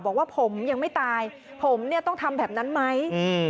บอกว่าผมยังไม่ตายผมเนี่ยต้องทำแบบนั้นไหม